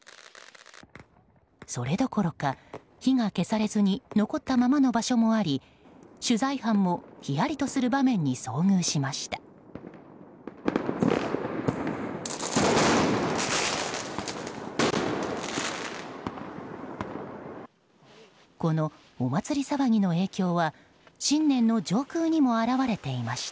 それどころか、火が消されずに残ったままの場所もあり取材班もひやりとする場面に遭遇しました。